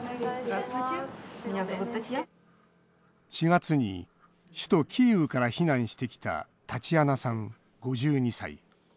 ４月に首都キーウから避難してきた、タチアナさん５２歳。